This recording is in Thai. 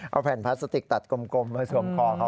เอาแผ่นพลาสติกตัดกลมมาสวมคอเขา